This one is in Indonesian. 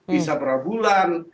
bisa berapa bulan